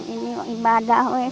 ini ibadah sekarang